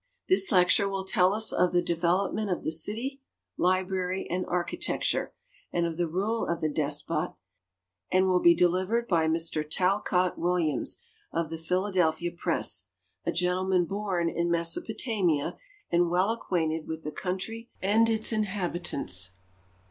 This lecture will tell us of the development of the city, library, and architecture, and of the rule of the despot, and will be delivered by Mr Talcott Williams, of the Philadelphia Press, a gentleman born in Mesopo tamia and well acquainted with the country and its inhabitants.